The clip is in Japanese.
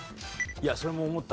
いやそれも思った。